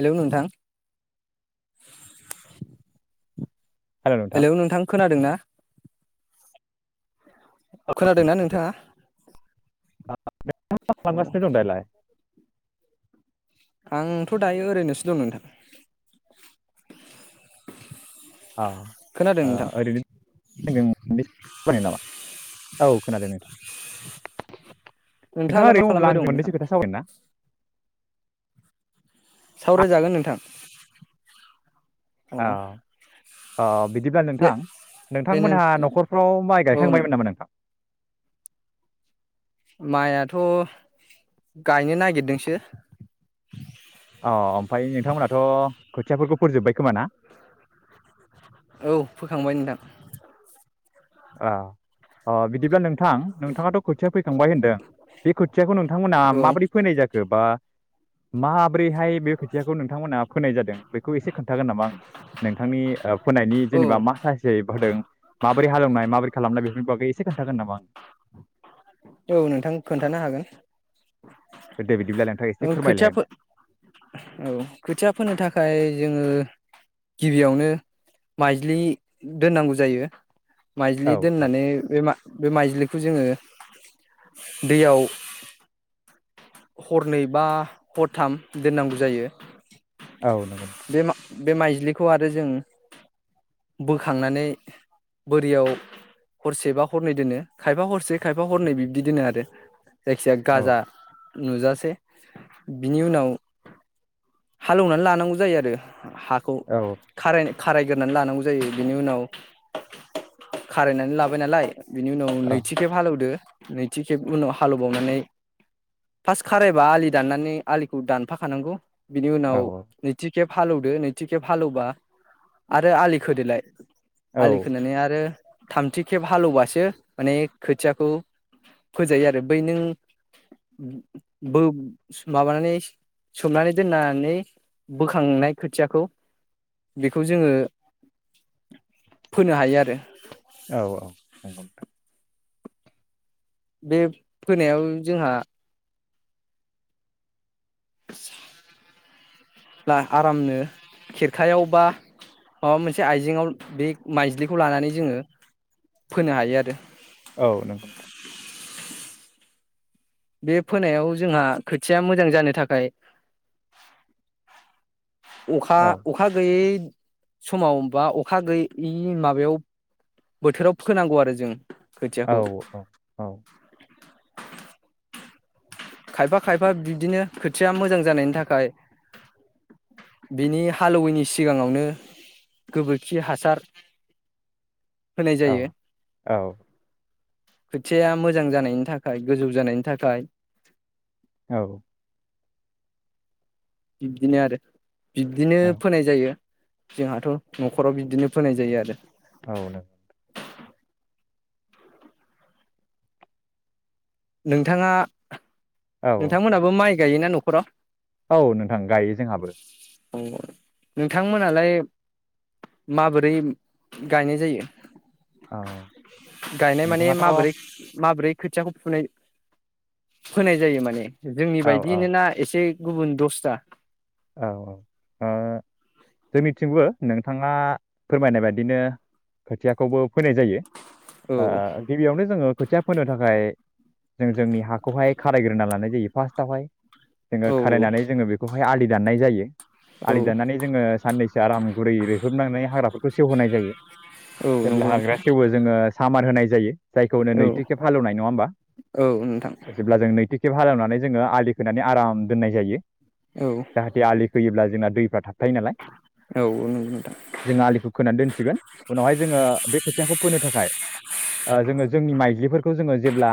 हेल' नोंथां। हेलौ नोंथां खोनादों ना? खोनादोंना नोंथाङा? औ औ [unintelligible] आंथ' दायो ओरैनोसो दं नोंथां । अ ओरैनो नामा? औ नोंथाङा ओरैनो नोंथाङालाय मा दङोब्ला खालामबाय आं दं नोंथां मोननैसो खोथा सावरायनो ना? सावरायजागोन नोंथां । औ आ बिदि बिदिब्ला दे नोंथां दे नों नोंथांमोनहा न'खरफ्राव माइ औ गायखांबायमोन नामा नोंथां? माइआथ' गायनो नागिरदोंसो । अ ओमफ्राय नोंथांमोनाथ' खोथियाफोरखौ फोजोब्बाय खोमा ना? औ फोखांबाय नोंथां । ओ अ बिदिब्ला नोंथां नोंथाङाथ' खोथिया फैखांबाय होनदों बे खोथियाखौ नों नोंथांमोनहा औ माबोरै फोनाय जाखो बा मा माबोरैहाय बे खोथियाखौ नोंथांमोना फोनाय जादों बेखौ एसे खोन्थागोन नामा आंनो नोंथांनि ओ फोनायनि औ जेनेबा मा सासे होदों माबोरै हालेवनाय? माबोरै खालामनाय बेफोरनि बागै एसे खोन्थागोन नामा आं औ नोंथां खोन्थानो हागोन । आं दे बिदिब्ला नोंथाङा एसे औ फोरमायलाय खोथिया आंनो। औ खोथिया फोनो थाखाय जोङो गिबियावनो माइज्लि दोननांगौ जायो । माइजलि औ औ दोननानै बे मा बे माइजलिखौ जोङो दैयाव हरनै बा हरथाम दोननांगौ जायो । औ नंगौ बे माइज्लिखौ आरो जों बोखांनानै बोरियाव हरसेबा हरनै दोनो खायफा हरसे खायफा हरनै बिब्दि दोनो आरो जायखिजाया औ गाजा नुजासे बिनि उनाव हालेवनानै लानांगौ । जायो आरो हाखौ औ खार खारायगोरानै लानांगौ जायो बेनि उनाव खारायनानै लाबाय नालाय । बिनि उनाव औ नैथिखेब हाल एवनो नैथि खेब उनाव हालएवबावनानै फार्स्ट खारायबा आलि दाननानै आलिखौ दानफाखानांगौ। बिनि उनाव औ नैथि खेब हालौवदो नैथि खेब हालौबा आरो आलि खोदोलाय। आलि औ खोनानै आरो थामथि खेब हालेवबासो माने खोथियाखौ फोजायो आरो बै नों बो माबानानै सोमनानै दोननानै बोखांनाय खोथियाखौ बेखौ जोङो फोनो हायो आरो। औ औ नंगौ । बे फोनायाव जोंहा बा आरामनो खेरखायाव बा माबा मोनसे आइजेंआव बे माइज्लिखौ लानानै जोङो फोनो हायो आरो। औ नंगौ नोंथां। बे फोनायाव जोंहा खोथिया मोजां जानो थाखाय अखा औ अखा गैयै समाव बा अखा गैयैनि माबायाव बोथोराव फोनांगौ आरो जों। औ खोथियाखौ औ औ। खायफा खायफा बिब्दिनो खोथिया मोजां जानायनि थाखाय बिनि हालौवैनि सिगाङावनो गोबोरखि हासार होनाय औ औ। खोथियाया मोजां जानायनि थाखाय गोजौ जानायनि थाखाय। औ। बिदिनो आरो बिब्दिनो फोनाय जायो। जोंहाथ' न'खराव बिदिनो फोनाय जायो आरो औ नों नोंथाङा औ औ नोंथांमोनहाबो माइ गायोना न'खराव? औ नोंथां गायो जोंहाबो। औ नोंथांमोनालाय माबोरै गायनाय जायो? औ गायनाय माने नोंथाङाथ' औ माबोरै माबोरै खोथियाखौ फुनाय होनाय जायो माने जोंनि औ औ बायदियनो ना एसे गुबुन दसथा औ औ जोंनिथिंबो नोंथाङा फोरमायनाय बायदिनो खोथियाखौबो फैनाय जायो औ गिबियावनो जोङो खोथिया फोनो थाखाय जों जोंनि हाखौहाय खारायग्रोना लानाय जायो फार्स्टआवहाय। जोङो औ खारायनानै जोङो बेखौहाय आलि दनाय जायो औ आलि दाननानै जोङो साननैसो आराम गुरै रोहोबनानै हाग्राफोरखौ सेवहोनाय जायो औ जेब्ला नंगौ नोंथां हाग्रा सेवो जोङो सामान होनाय जायो जायखौनो औ नैथि खेब हालेवनाय नङा होमबा औ नोंथां जेब्ला जों नैथि खेब हालेवनानै जोङो आलि फोनानै आराम दोननाय जायो औ जाहाथे आलि फैयोब्ला जोंना दैफ्रा थ थाख थायो नालाय औ नंगौ नोंथां जोङो आलिखौ खोनानै दोनसिगोन उनावहाय जोङो बे खोथियाखौ फोनो थाखाय आ जोङो जोंनि माइज्लिफोरखौ जोङो जेब्ला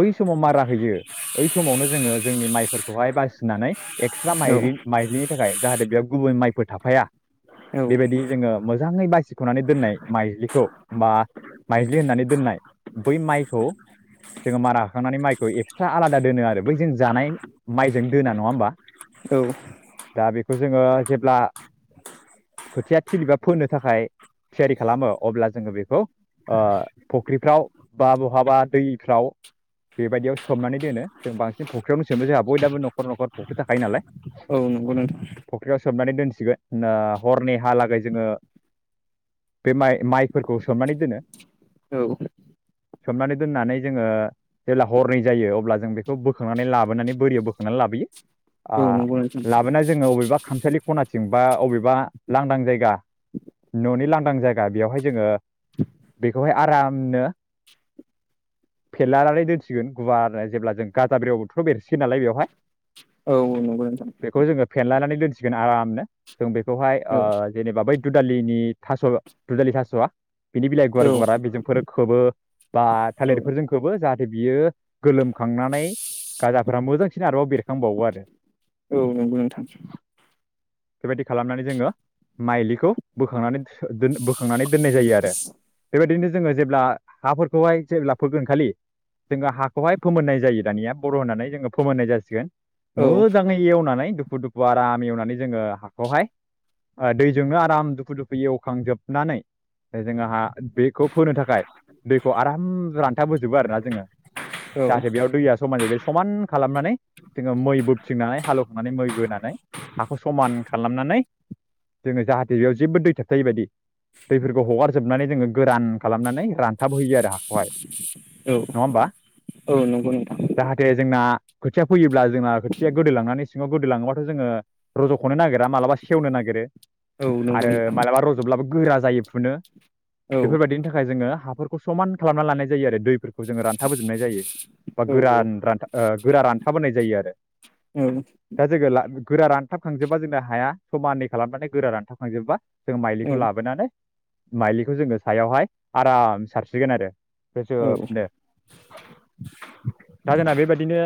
बै समाव मारा होयो बओै समावनो जोङो जोंनि माइफोरखौहाय बासिनानै सिला औ माइरि माइज्लिनि थाखाय जाहाथे बेयाव गुबै माइफोर थाफाया औ बेबायदि जोङो मोजाङै बासिख'नानै दोननाय माइज्लिखौ बा माइज्लि होननानै दोननाय बै माइखौ जोङो मारा हाखांनानै माइखौ खौ एक्सट्रा आलादा दोनो आरो बै जों जानाय माइजों दोना नङा होमबा? औ दा बेखौ जोङो जेब्ला खोथिया थिलिबा फोनो थाखाय थियारि खालामो अब्ला जोङो बेखौ फुख्रिफ्राव बा बहाबा दैफ्राव बेबायदियाव सोमनानै दोनो जों बांसिन फुख्रियावनो सोमो जोंहा बयनबो नखर नखर फुख्रि थाख हायो नालाय औ नंगौ नोंथां सोमनानै दोनसिगोन हरनि हालागै जोङो बे माइ माइफोरखौ सोमनानै दोनो औ सोमनानै दोननानै जोङो जेब्ला हरनै जायो अब्ला जों बेखौ बोखांनानै लाबोनानै बोरियाव बोखांनानै लाबोयो औ नंगौ नोंथां लाबोना जोङो अबेबा खामसालि खनाथिं बा अबेबा लांदां जायगा न'नि लांदां जायगा बेवहाय जोङो बेखौहाय आरामनो फेनलानानै दोनसिगोन गुवार जेब्ला जों गाजाबव बोथोराव बेरसै नालाय बेवहाय औ औ नंगौ नोंथां बेखौ जोङो फेनलानानै दोनसिगोन आरामनो जों बे बेखौहाय औ जेनेबा बै दुदालिनि थास दुदालि थास'आ बिनि बिलाइ औ गुवार गुवारा बेजोंफोर खोबो बा औ थालेटफोरजोंखौबो जाहाथे बियो गोलोमखांनानै गाजाफोरा मोजांसिन आरोबाव बेरखांबावो आरो औ नंगौ नोंथां बेबायदि खालामनानै जोङो माइलिखौ बोखांनानै बोखांनानै दोननाय जायो आरो बेबायदिनो जोङो जेब्ला हाफोरखौहाय जेब्ला फोगोन खालि जोङो हाखौहाय फोमोननाय जायो दानिया बर' होननानै जोङो फोमोननाय जासिगोन औ मोजाङै एवनानै दुफु दुफु आराम एवनानै जोङो हाखौहाय दैजोंनो आराम दुफु दुफु एवखांजोबनानै जोङोहा बेखौ फोनो थाखाय दैखौ आराम रान्थाबोजोबो आरोना जोङो औ जाहाथे बेयाव दैया समान जाहैबाय समान खालामनानै मै बोनानै हाल मै बोनानै हा खालामनानै जो जाहाथे बेयाव जेबो दै थाबथाय बदि दैफोरखौ हगारजोबनानै जोङो गोरान खालामनानै रानथाब होयो आरो हाखौहाय नङा हबा औ नंगौ नोंथां जाथे जोंना खोथिया फैयो जोंना खोथिया गोदै लांनानै सिङाव गोदै लाङोबाथ' जोङो रजखनो नागिरा मालाबा सेवनो नागिरो औ नंगौ नोंथां जब्लाबो गोरा जायो फुनो औ बेफोरबायदिनि थाखाय जोङो हाफोरखौ समान खालामना लानाय जायो आरो दैफोरखौ जोङो रानथाबोजोबनाय जायो बा गोरा रथा गोरा रानथाबोनाय जायो आरो दा जोङो गोरा रानथाबखांजोबा जोंना हाया समानानै खालामनानै गोरा रानथाबखांजोबबा जों माइलिखौ लाबोनानै माइलिखौ जोङो सायावहाय आराम सारसिगोन आरो औ बेोजोबनो दा जोंना बेबायदिनो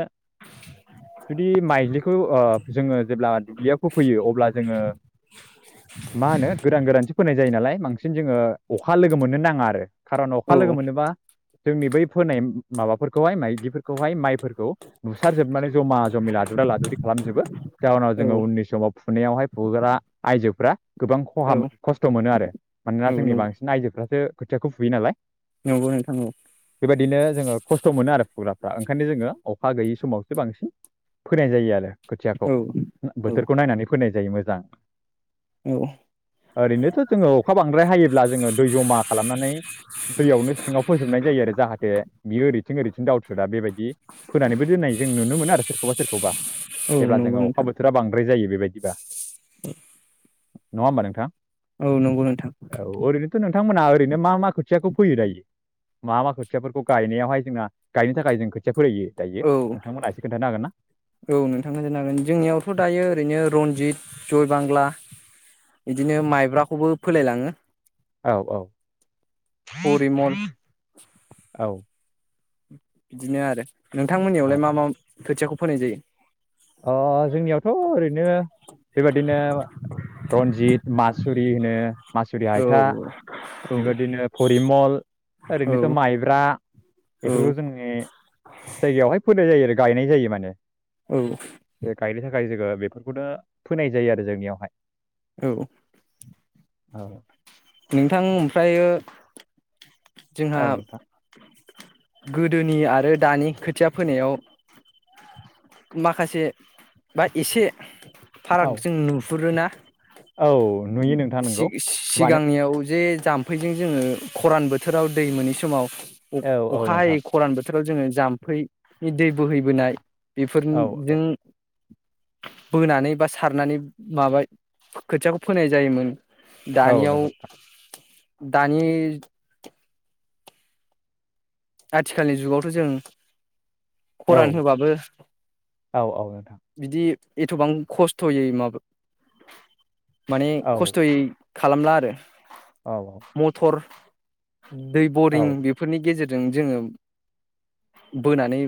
जुदि माइजलिखौ जोङो जेब्ला दुब्लियाव फोफैयो अब्ला जोङो मा होनो गोरान गोरानसो फोनाय जायो नालाय बांसिन जोङो अखा लोगो मोननो नाङा आरो औ खारन अखा लोगो नंगौ मोनोबा जोंनि बै फोनाय माबाफोरखौहाय माइजलिफोरखौहाय माइफोरखौ बुसारजोबनानै जमा जमि लादुरा लादि खालामजोबो नोंथां औ जाहनाव जोङो उननि समाव फुनायावहाय फुग्रा आइजोफ गोबां खहा खस्थ मोनो आरो मानोना जोंनि औ बांसिन आइजोफ्रासो खोथियाखौ फुयो नालाय नंगौ नोंथां बेबायदिनो जोङो खस्थ मोनो आरो फुग्राफ्रा ओंखायनो जोङो अखा गैयि समाव बांसिन फोनाय जायो आरो खोथियाखौ बोथोरखौ नायनानै फोनाय जायो मोजां ओरैनोथ'जोङो अखा बांद्राय हायोब्ला जोङो दै जमा खालामनानै दैयावनो सिङाव फोजोबनाय जायो आरो जाहाथे बियो ओरैथिं ओरैथिं दावउथो दा बेबायदि फोनानैबो दोननाय जायो जों नुनो मोनो आरो सोरखौबा सोरखौबा जेब्ला जोङो अखा बोथोरा बांद्राय जायो बेबायदिबा नङा होमबा नोंथां औ नंगौ नोंथां औ ओरैनोथ नोंथांमोनहा ओरैनो मा मा खोथियाखौ फोयो दायो मा मा खोथियाफोरखौ गायनायावहाय जोंना गायनो थाखाय जों खोथिया फोायो दायो औ नोंथांमोनहा एसे खोन्थानो हागोन ना औ नोंथां होनो जोंनियावथ दायो ओरैनो रनजित जय बांला बिदिनो माइब्राखौबो फोलायलाङो औ औ फरिमल औ बिदिनो आरो नोंथांमोननियावलाय मा मा खोथियाखौ फोनाय जायो ओ जोंनियावथ ओरैनो बेबादिनो रन्जित मासुरि होनो मासुरि जायो? हायथा औ बेबायदिनो फरिमल औ ओरैनोथ माइब्रा औ बेफोरखौ जोंनि जायगायावहाय फोनाय जायो आरो गायनाय जायो माने गायनो थाखाय जोङो बेफोरखौनो फोनाय जायो आरो जोंनियावहाय। औ। औ। नोंथां ओमफ्रायो जोंहा औ नोंथां गोदोनि आरो दानि खोथिया फोनायाव माखासे बा एसे औ फारागखौ जों नुहुनो मोनहरोना। औ नुयो नोंथां नोंगौ मानो सिगांनियाव जे जाम थाम्फैजों जोङो खरान बोथोराव दै मोनि समाव औ औ अखा नोंथां हायि खरानबो बोथोराव जोङो जाम्फैनि दै बोहैबोनाय बेफोरनि औ औ जों बोनानै बा सारनानै माबा खोथियाखौ फोनाय जायोमोन। औनो दानियाव नोंगौ। दानि आथिखालनि जुगावथ' जों औ खरान होबाबो औ औ नोंथां बिदि एथ'बां खस्थ'यै माबा माने औ खस्थ'यै खालामला आरो औ औ मथर दै औ बरिं बेफोरनि गेजेर जों जोङो बोनानै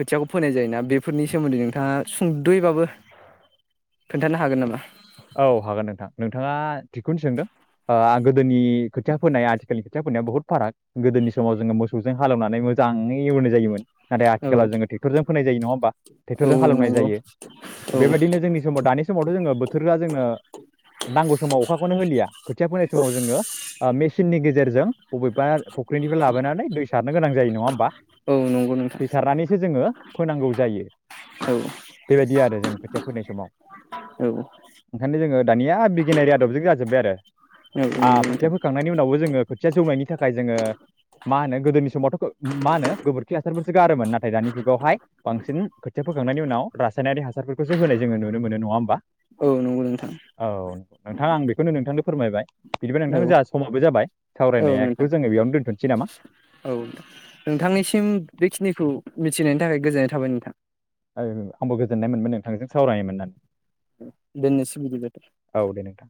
खोथियाखौ फोनाय जायोना बेफोरनि सोमोन्दै नोंथाङा सुंद'यैबाबो खोन्थानो हागोन नामा औ हागोन नोंथां नोंथाङा थिगखौनो सोंदों ओ गोदोनि खोथियाफोनाय आथिखालनि खोथियाफोनाय बहुत फाराग गोदोनि समाव जोङो मोसौजों हालेवनानै मोजाङै एवनाय जायोमोन नाथाय औ आथिखालाव जोङो ट्रेक्टरजों फोनाय जायो नङा होमबा औ ट्रेक्टरजों हालौनाय नंगौ जायो औ बेबायदिनो जोंनि समाव दानि समावथ' जोङो जोंनो नांगौ समाव अखाखौनो होलिया खोथिया फोनाय समाव जोङो ओ मेसिननि गे जेरजों बबेबा फुख्रिनिफ्राय लाबोनानै दै सारनो गोनां जायो नङा होमबा औ नंगौ नोंथां दैसारनानैसो जोङो फोनांगौ जायो औ बेबायदि आरो जों खोथिया फोनाय समाव औ ओंखायनो जोङो दानिया बिगियारि आदबजों जाजोब्बाय आरो औ ओ आ नंगौ खोथिया नोंथां फोखांनायनि उनावबो जोङो खोथिया जौनायनि थाखाय जोङो मा होनो गोदोनि समावथ' मा होनो गोबोरखि हासारफोरसो गारोमोन नाथाय दानि जुगावहाय बांसिन खोथिया फोखांनायनि उनाव रासायनारि हासारफोरखौसो होनाय जोङो नुनो मोनो नङा होमबा औ नंगौ नोंथां औ नोंथां आं बेखौनो नोंथांनो फोरमायबाय बिदिबा औ नोंथां जोंहा समाबो जाबाय औ नोंथां सावरायनायाखौ जोङो बेयावनो दोनथ'नोसै नामा औ नोंथांनिसिम बेखिनिखौ मि थिनायनि थाखाय गोजोननाय थाबाय नोंथां । ओ आंबो गोजोननाय मोनदों नोंथांजों सावरायनो मोननानै । दोननिसै बिदिबालाय औ दे नोंथां